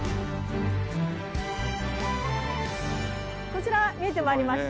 こちら見えて参りました。